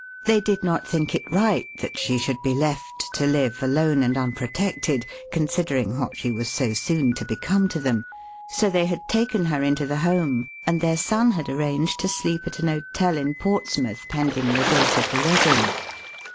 They did not think it right that she should be left to live alone and unprotected, considering what she was so soon to become to them; so they had taken her into the home, and their son had arranged to sleep at an hotel in Portsmouth pending the date of the wedding.